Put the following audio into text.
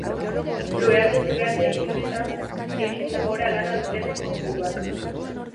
Lurraldez lurralde, hiruretan egin du gora lana dutenen kopuruak.